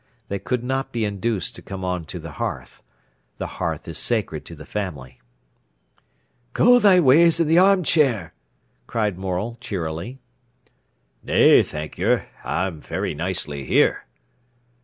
They could not be induced to come on to the hearth. The hearth is sacred to the family. "Go thy ways i' th' armchair," cried Morel cheerily. "Nay, thank yer; I'm very nicely here."